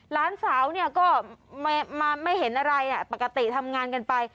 หลานสาวเนี่ยก็ไม่เห็นอะไรปกติทำงานกันไป